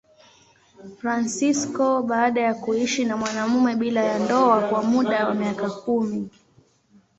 Fransisko baada ya kuishi na mwanamume bila ya ndoa kwa muda wa miaka kumi.